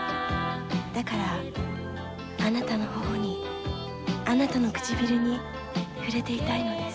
だからあなたの頬にあなたの唇に触れていたいのです